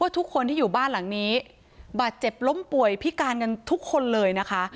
ทุกคนที่อยู่บ้านหลังนี้บาดเจ็บล้มป่วยพิการกันทุกคนเลยนะคะ